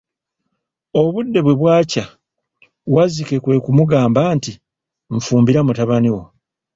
Obudde bwe bwakya, wazzike kwe kumugamba nti, nfumbira mutabani wo.